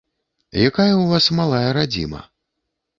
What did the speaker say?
Якая ў вас малая радзіма?